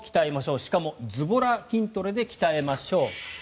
しかもズボラ筋トレで鍛えましょう。